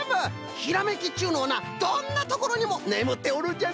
ひらめきっちゅうのはなどんなところにもねむっておるんじゃぞ。